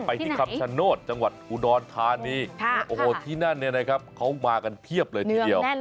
ไปที่คำชโนธจังหวัดอุดรธานีที่นั่นเขามากันเพียบเลยทีเดียว